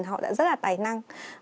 họ đã rất là tài năng